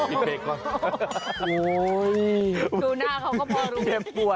ดูหน้าเขาก็พอรู้